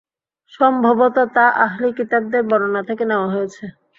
সম্ভবত তা আহলি কিতাবদের বর্ণনা থেকে নেওয়া হয়েছে।